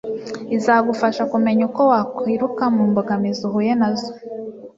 izagufasha kumenya uko wakwikura mu mbogamizi uhuye na zo